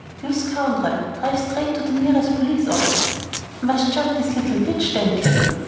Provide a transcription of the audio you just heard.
"You scoundrel, drive straight to the nearest police office." "Must jump this little ditch, then, Captain.